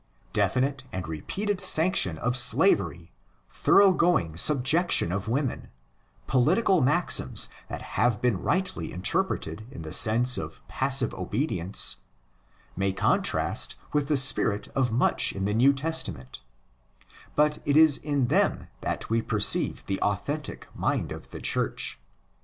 Definite and repeated sanction of slavery, thorough going '' subjection of women,' political maxims that have been rightly interpreted in the sense of '' passive obedience,' may contrast with the spirit of much in the New Testament; but it is in them that we perceive the authentic '' mind of the Church."